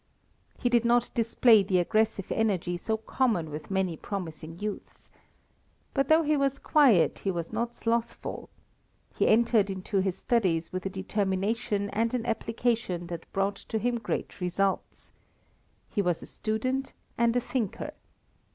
He did not display the aggressive energy so common with many promising youths. But though he was quiet, he was not slothful. He entered into his studies with a determination and an application that brought to him great results. He was a student and a thinker.